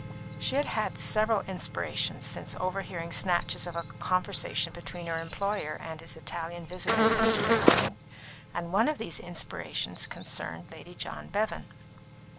She had had several inspirations since overhearing snatches of conversation between her employer and his Italian visitor yesterday morning, and one of these inspirations concerned Lady John Bevan.